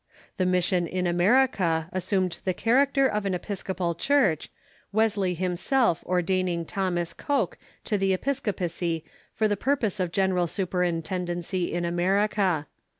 The mission in America assumed the character of an episcopal church, Wesley himself ordaining Thomas Coke to the episcopacy for the purpose of general superintendency in America.